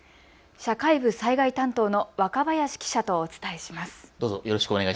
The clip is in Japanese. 社会部災害担当の若林記者とお伝えします。